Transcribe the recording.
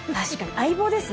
相棒ですね